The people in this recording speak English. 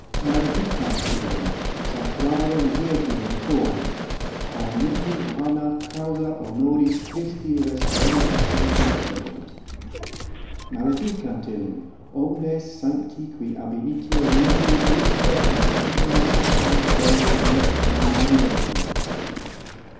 os Maledicant illum sacrarum virginum chori, quæ mundi vana causa honoris Christi respuenda contempserunt. Male os dicant illum omnes sancti qui ab initio mundi usque in finem seculi Deo dilecti inveniuntur.